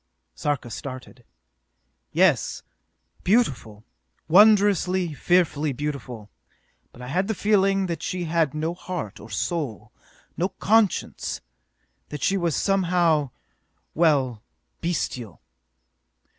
Sarka started. "Yes. Beautiful! Wondrously, fearfully beautiful: but I had the feeling that she had no heart or soul, no conscience: that she was somehow well, bestial!"